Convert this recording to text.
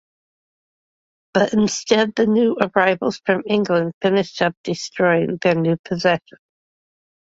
But instead, the new arrivals from England finished up destroying their new possession.